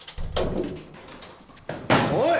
・おい！